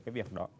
cái việc đó